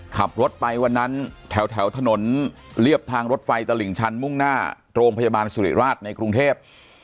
ขับรถไปวันนั้นแถวถนนเรียบทางรถไฟตลิ่งชันมุ่งหน้าโรงพยาบาลสุริราชในกรุงเทพ